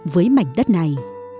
với mảnh đất này